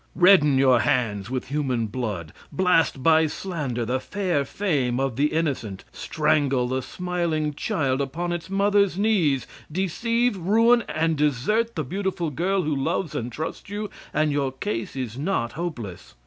Redden your hands with human blood; blast by slander the fair fame of the innocent; strangle the smiling child upon its mother's knees; deceive, ruin and desert the beautiful girl who loves and trusts you, and your case is not hopeless.